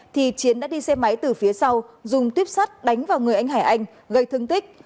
thì chiến đã đi xe máy từ phía sau dùng tuyếp sắt đánh vào người anh hải anh gây thương tích